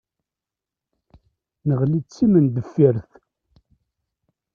Neɣli d timendeffirt.